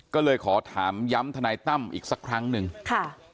ก็เลยขอถามย้ำทนายตั้มอีกสักครั้งหนึ่งค่ะ